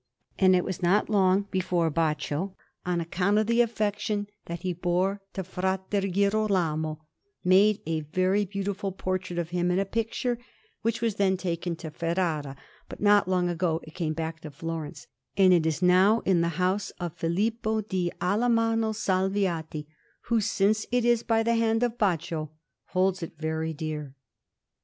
And it was not long before Baccio, on account of the affection that he bore to Fra Girolamo, made a very beautiful portrait of him in a picture, which was then taken to Ferrara; but not long ago it came back to Florence, and it is now in the house of Filippo di Alamanno Salviati, who, since it is by the hand of Baccio, holds it very dear.